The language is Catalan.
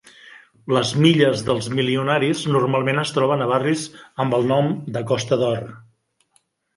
Les "Milles dels milionaris" normalment es troben a barris amb el nom de "Costa d'or".